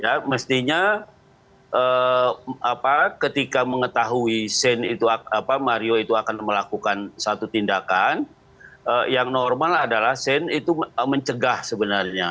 ya mestinya ketika mengetahui sin itu mario itu akan melakukan satu tindakan yang normal adalah shane itu mencegah sebenarnya